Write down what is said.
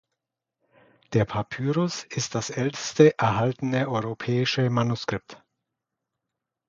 Der Papyrus ist das älteste erhaltene europäische Manuskript.